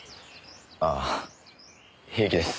ああ平気です